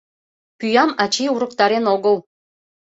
Пӱям ачий урыктарен огыл.